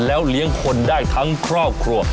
แล้วเลี้ยงคนได้ทั้งครอบครัว